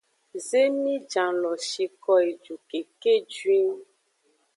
Zemijan lo shiko eju keke juin.